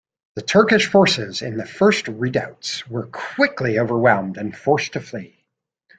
The Turkish forces in the first redoubts were quickly overwhelmed and forced to flee.